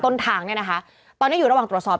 ต้นทางเนี่ยนะคะตอนนี้อยู่ระหว่างตรวจสอบ